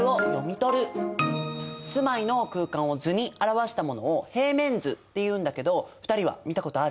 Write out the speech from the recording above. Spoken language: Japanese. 住まいの空間を図に表したものを平面図っていうんだけど２人は見たことある？